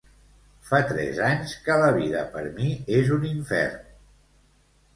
Fa tres anys que la vida per mi és un infern.